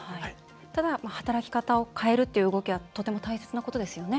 ただ、働き方を変えるという動きはとても大切なことですよね。